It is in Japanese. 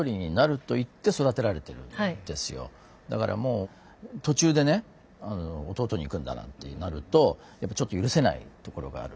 だからもう途中でね弟にいくんだなってなるとやっぱちょっと許せないところがある。